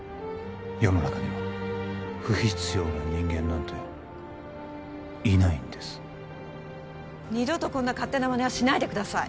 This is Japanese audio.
世の中には不必要な人間なんていないんです二度とこんな勝手なまねはしないでください